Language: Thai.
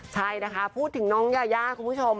ใช่นะคะพูดถึงน้องยายาคุณผู้ชม